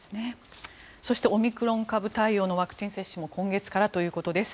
そしてオミクロン株対応のワクチン接種も今月からということです。